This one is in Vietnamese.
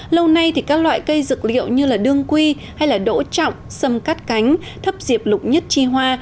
lâu nay thì các loại cây dược liệu như đương quy hay đỗ trọng sâm cắt cánh thấp diệp lục nhất chi hoa